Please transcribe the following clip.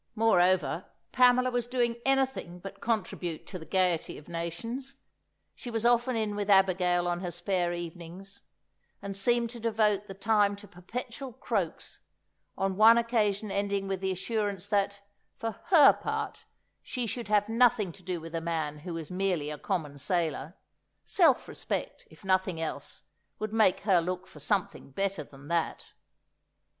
Moreover, Pamela was doing anything but contribute to the gaiety of nations! She was often in with Abigail on her spare evenings; and seemed to devote the time to perpetual croaks, on one occasion ending with the assurance that, for her part, she should have nothing to do with a man who was merely a common sailor; self respect, if nothing else, would make her look for something better than that.